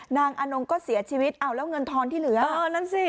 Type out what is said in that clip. นางอนุงก็เสียชีวิตเอาแล้วเงินทอนที่เหลืออ่านั่นสิ